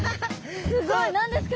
すごい！何ですか？